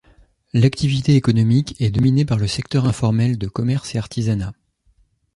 L’activité économique est dominée par le secteur informel de commerce et artisanat.